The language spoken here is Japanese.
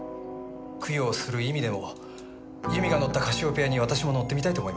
供養する意味でも由美が乗ったカシオペアに私も乗ってみたいと思いました。